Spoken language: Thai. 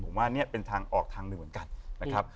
ผมว่าเนี่ยเป็นทางออกทางหนึ่งเหมือนกันนะครับ